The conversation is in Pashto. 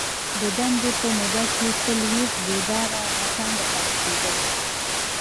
د دندي په موده کي تل ویښ ، بیداره او هڅانده پاته کیدل.